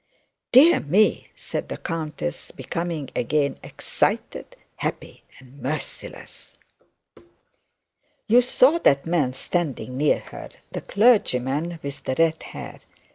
'Dear me!' said the countess, becoming again excited, happy, and merciless. 'You saw that man standing near her, the clergyman with the red hair?'